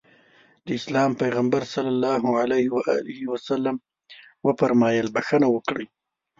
د اسلام پيغمبر ص وفرمايل بښنه وکړئ.